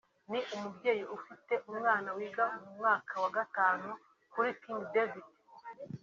ni umubyeyi ufite umwana wiga mu mwaka wa Gatanu kuri King David